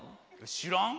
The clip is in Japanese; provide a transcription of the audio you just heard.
知らん？